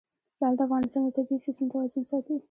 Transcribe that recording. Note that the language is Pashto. لعل د افغانستان د طبعي سیسټم توازن ساتي.